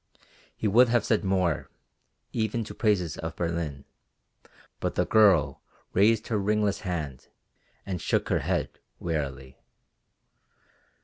He would have said more, even to praises of Berlin, but the girl raised her ringless hand and shook her head wearily.